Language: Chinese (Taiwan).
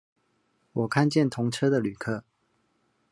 我看見同車的旅客